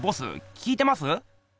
聞いてます？